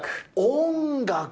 音楽。